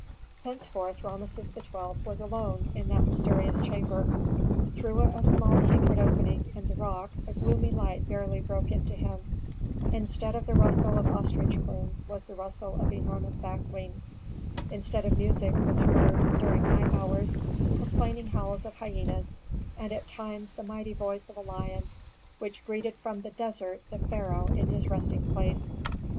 Thenceforth Rameses XII. was alone in that mysterious chamber. Through a small secret opening in the rock a gloomy light barely broke in to him; instead of the rustle of ostrich plumes was the rustle of enormous bat wings; instead of music was heard, during night hours, complaining howls of hyenas, and at times the mighty voice of a lion, which greeted from the desert the pharaoh in his resting place.